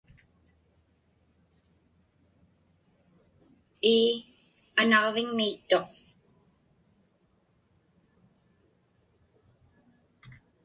Ii, anaġviŋmiittuq.